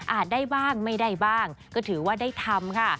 ได้บ้างไม่ได้บ้างก็ถือว่าได้ทำค่ะ